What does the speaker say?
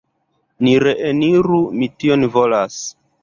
Ni reeniru; mi tion volas.